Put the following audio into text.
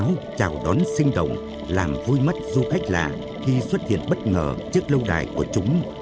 có lẽ sự hoạt náo chào đón sinh động làm vui mắt du khách lạ khi xuất hiện bất ngờ trước lâu đài của chúng